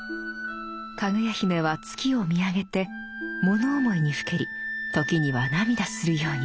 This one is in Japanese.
かぐや姫は月を見上げて物思いにふけり時には涙するように。